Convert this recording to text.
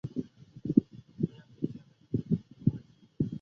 帕拉河畔圣贡萨洛是巴西米纳斯吉拉斯州的一个市镇。